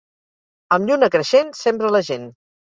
Amb lluna creixent sembra la gent.